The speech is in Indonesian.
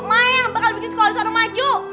mai yang bakal bikin sekolah disana maju